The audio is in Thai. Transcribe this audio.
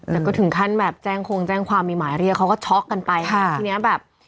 แล้วก็ถึงข้างแบบแจ้งโครงแจ้งความมีหมายเรียกเขาก็ช๊อกกันไปครับ